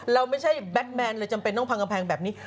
เราไม่ใช่แบ็คแมนเลยจำเป็นต้องพังกำแพงแบบนี้